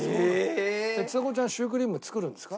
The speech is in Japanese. ちさ子ちゃんシュークリーム作るんですか？